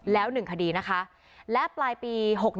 แล้วหนึ่งคดีนะคะและปลายปี